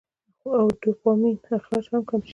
او ډوپامين اخراج هم کم شي -